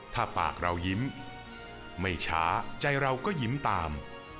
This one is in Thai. ถ้าปากเรายิ้มไม่ช้าใจเราก็ยิ้มตาม